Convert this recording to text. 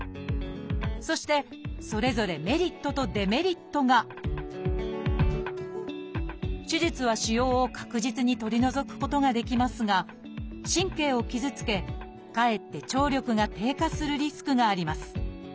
そしてそれぞれメリットとデメリットが手術は腫瘍を確実に取り除くことができますが神経を傷つけかえって聴力が低下するリスクがあります。